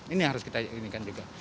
ini yang harus kita inikan juga